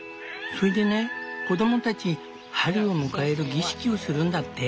それでね子供たち春を迎える儀式をするんだって。